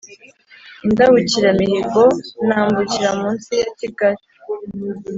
Indabukiramihigo nambukira munsi ya Kigali,